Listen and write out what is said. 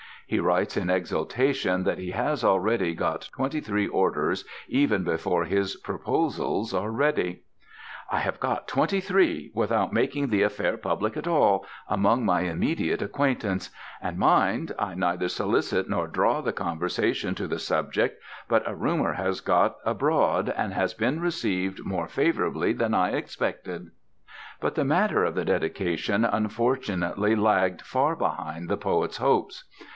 He writes in exultation that he has already got twenty three orders even before his "proposals" are ready: "I have got twenty three, without making the affair public at all, among my immediate acquaintance: and mind, I neither solicit nor draw the conversation to the subject, but a rumour has got abroad, and has been received more favourably than I expected." But the matter of the dedication unfortunately lagged far behind the poet's hopes.